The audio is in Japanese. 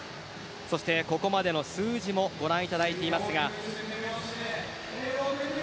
ここまでの数字もご覧いただいていますが。